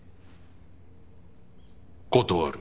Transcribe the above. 断る。